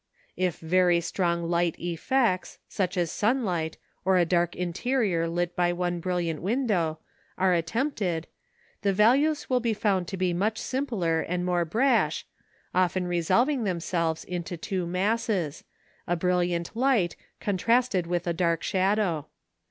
If very strong light effects, such as sunlight, or a dark interior lit by one brilliant window, are attempted, the values will be found to be much simpler and more harsh, often resolving themselves into two masses, a brilliant light contrasted with a dark shadow.